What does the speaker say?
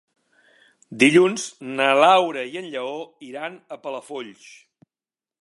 Dilluns na Laura i en Lleó iran a Palafolls.